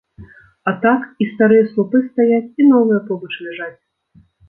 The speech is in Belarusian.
А так, і старыя слупы стаяць, і новыя побач ляжаць.